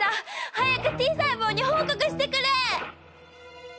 早くＴ細胞に報告してくれ！